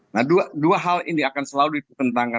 nah dua hal ini akan selalu dipertentangkan